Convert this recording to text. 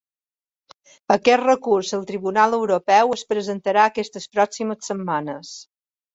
Aquest recurs al tribunal europeu es presentarà aquestes pròximes setmanes.